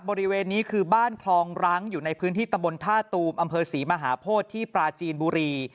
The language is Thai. บริเวณนี้คือบ้านคลองรั้งอยู่ในพื้นที่ตำบลท่าตูมอำเภอศรีมหาโพธิที่ปราจีนบุรี